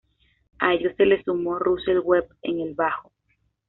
A ellos se les sumó Russell Webb, en el bajo.